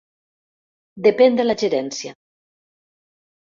Depèn de la Gerència.